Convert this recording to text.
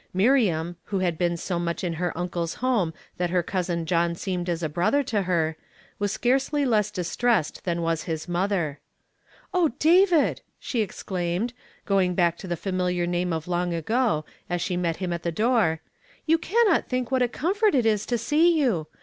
Miriam, who had been so much in her uncle's home that her cousin John seemed as a brother to her, was scarcely less dis tressed than was his mother. "O David!" she exclaimed, going back to the familiar name of long ago, as she met him at the door, " you cannot think what a comfort it is to see you!